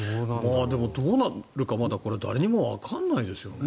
でも、どうなるかまだ誰にもわからないですよね。